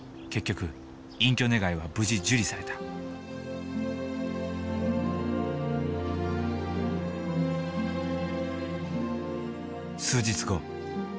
結局隠居願いは無事受理された数日後。